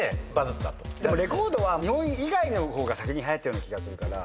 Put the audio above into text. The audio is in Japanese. でもレコードは日本以外の方が先にはやった気がするから。